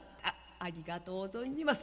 「ありがとう存じます。